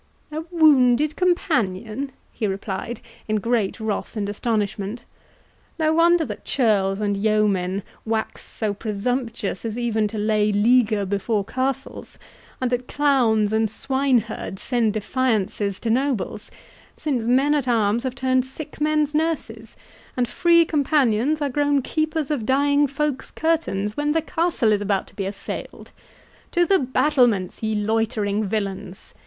"A wounded companion!" he replied in great wrath and astonishment. "No wonder that churls and yeomen wax so presumptuous as even to lay leaguer before castles, and that clowns and swineherds send defiances to nobles, since men at arms have turned sick men's nurses, and Free Companions are grown keepers of dying folk's curtains, when the castle is about to be assailed.—To the battlements, ye loitering villains!"